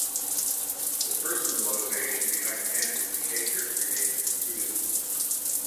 The personal motivation behind Pandey's behaviour remains confused.